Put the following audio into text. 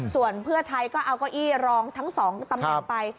ส่วนเพื่อไทยก็เอาเก้าอี้รองทั้ง๒ตำแหน่งไป